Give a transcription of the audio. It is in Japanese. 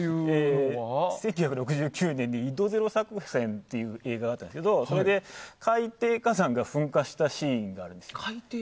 １９６９年に「緯度０大作戦」という映画があったんですけどそれで、海底火山が噴火したシーンがあるんです。